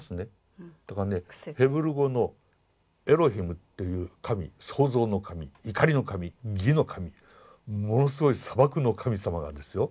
だからねヘブル語のエロヒムという神創造の神怒りの神義の神ものすごい砂漠の神様なんですよ。